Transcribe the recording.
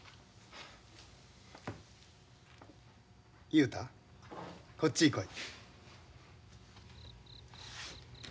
雄太こっちへ来い。